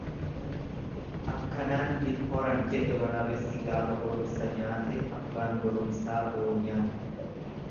Akkanaan hin horan jedhe waraabessi gaafa goromsa nyaate abbaan goromsaa boonyaan.